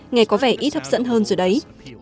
nghe có vẻ ít hấp dẫn hơn rồi đấy